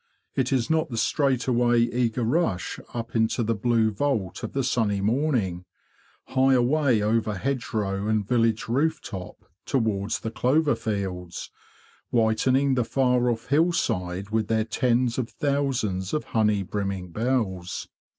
It is not the straight away eager rush up into the blue vault of the sunny morning— high away over hedgerow and village roof top towards the clover fields, whitening the far off hillside with their tens of thousands of honey brimming bells.